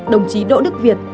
đồng chí đỗ đức việt